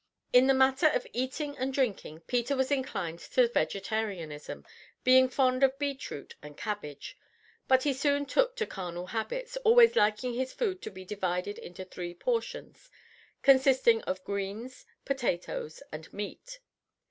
In the matter of eating and drinking Peter was inclined to vegetarianism, being fond of beet root and cabbage, but he soon took to carnal habits, always liking his food to be divided into three portions, consisting of greens, potatoes, and meat.